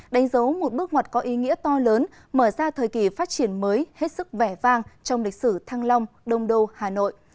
đánh dấu một bước ngoặt có ý nghĩa to lớn mở ra thời kỳ phát triển mới hết sức vẻ vang trong lịch sử thăng long đông đô hà nội